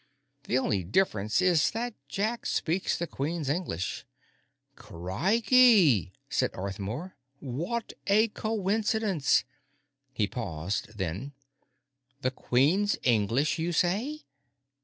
The only difference is that Jack speaks the Queen's English." "Crikey!" said Arthmore. "Wot a coincidence!" He paused, then: "The Queen's English, you say?